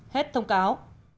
hết thông cáo